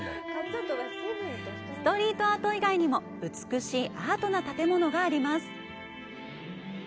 ストリートアート以外にも美しいアートな建物があります。